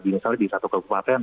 misalnya di satu kabupaten